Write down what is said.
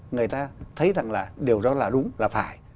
người ta thấy rằng là điều đó là đúng là phải